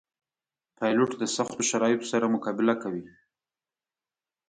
پیلوټ د سختو شرایطو سره مقابله کوي.